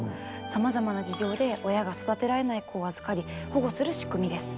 さまざまな事情で親が育てられない子を預かり保護する仕組みです。